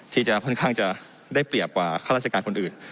ที่จะค่อนข้างจะได้เปรียบกว่าข้าราชการคนอื่น